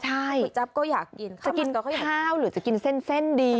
ก๋วยจั๊บก็อยากกินจะกินข้าวหรือจะกินเส้นดี